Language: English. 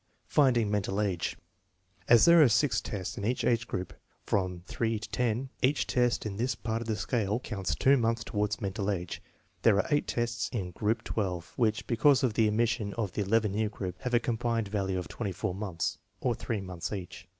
Finding mental age. As there are sk tests in each age group from III to X, each test in this part of the scale counts 2 months toward mental age. There are eight tests in group XII, which, because of the omission of the 11 year group, have a combined value of 4 months, or 3 months each.